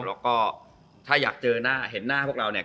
แล้วก็ถ้าอยากเจอหน้าเห็นหน้าพวกเราเนี่ย